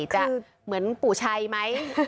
จะเหมือนปู่ชัยไหม